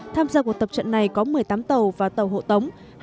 tham gia cuộc tập trận này có một mươi tám tàu và tàu hộ tống